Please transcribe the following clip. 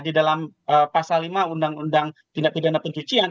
di dalam pasal lima undang undang tindak pidana pencucian